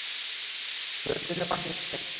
জন্মদিনের পার্টি নাকি?